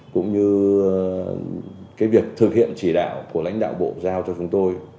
cũng như việc thực hiện chỉ đạo của lãnh đạo bộ giao cho chúng tôi